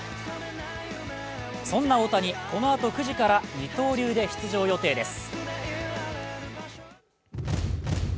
そんな大谷、このあと９時から二刀流で出場予定です。